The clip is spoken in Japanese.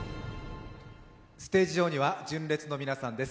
ステージ上には純烈の皆さんです。